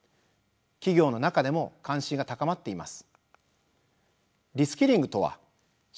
企業の中でも関心が高まっています。